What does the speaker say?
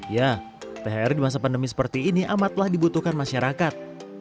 ya thr di masa pandemi seperti ini amatlah dibutuhkan masyarakat